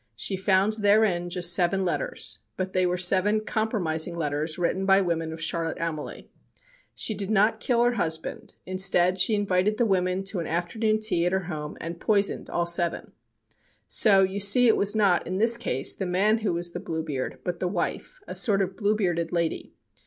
She found therein just seven letters, but they were seven compromising letters written by women of Charlotte Amalie. She did not kill her husband, instead she invited the women to an afternoon tea at her home and poisoned all seven. So, you see it was not, in this case, the man who was the "bluebeard," but the wife a sort of bluebearded lady.